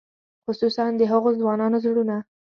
خصوصاً د هغو ځوانانو زړونه.